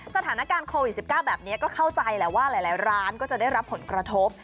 สถานการณ์โควิด๑๙แบบนี้ก็เข้าใจแหละว่าหลายร้านก็จะได้รับผลกระทบ